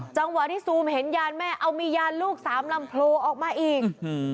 จังหวะที่ซูมเห็นยานแม่เอามียานลูกสามลำโพลออกมาอีก